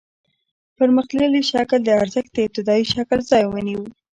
پرمختللي شکل د ارزښت د ابتدايي شکل ځای ونیو